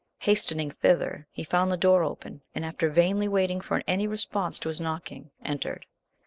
Hastening thither he found the door open, and, after vainly waiting for any response to his knocking, entered.